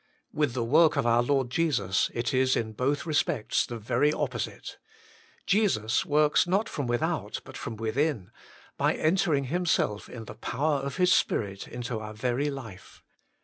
With the work of our Lord Jesus it is in both respects the very opposite. Jesus works not from without, but from within, by entering Himself in the power of His Spirit into our very life.